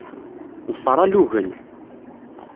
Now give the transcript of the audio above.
Ḍfer alugen!